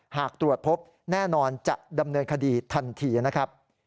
หากตรวจพบแน่นอนจะดำเนินคดีทันทีนะครับ